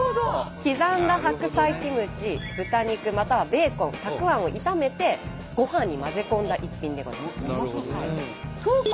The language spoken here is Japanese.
刻んだ白菜キムチ豚肉またはベーコンたくあんを炒めてごはんに混ぜ込んだ一品でございます。